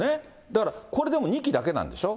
だから、これ、でも２基だけなんでしょ。